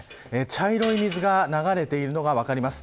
茶色い水が流れているのが分かります。